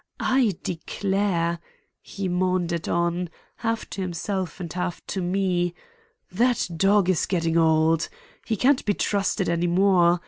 I declare," he maundered on, half to himself and half to me, "that dog is getting old. He can't be trusted any more.